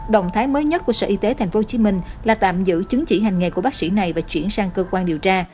động thái mới nhất của sở y tế tp hcm là tạm giữ chứng chỉ hành nghề của bác sĩ này và chuyển sang cơ quan điều tra